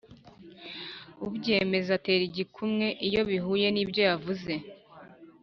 Ubyemeza atera igikumwe iyo bihuye n’ ibyo yavuze